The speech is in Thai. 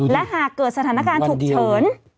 และหากเกิดสถานการณ์ฉุกเฉิน